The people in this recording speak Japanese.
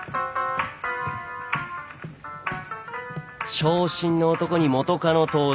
傷心の男に元カノ登場。